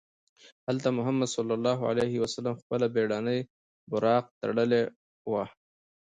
هلته محمد صلی الله علیه وسلم خپله بېړنۍ براق تړلې وه.